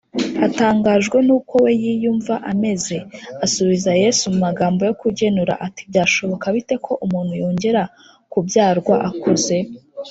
Atangajwe nuko we yiyumva ameze, asubiza Yesu mu magambo yo kugenura ati, “Byashoboka bite ko umuntu yongera kubyarwa akuze